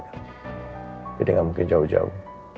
jadi gak mungkin jauh jauh